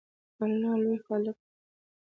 الله لوی خالق دی